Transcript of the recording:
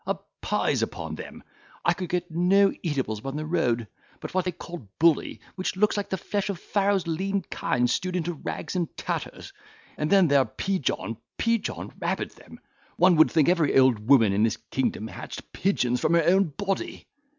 A pize upon them! I could get no eatables upon the ruoad, but what they called bully, which looks like the flesh of Pharaoh's lean kine stewed into rags and tatters; and then their peajohn, peajohn, rabbet them! One would think every old woman of this kingdom hatched pigeons from her own body."